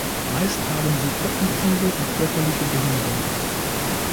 Meist haben sie kognitive und körperliche Behinderungen.